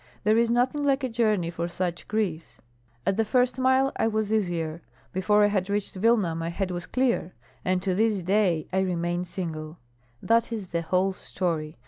There is nothing like a journey for such griefs. At the first mile I was easier, before I had reached Vilna my head was clear, and to this day I remain single. That is the whole story.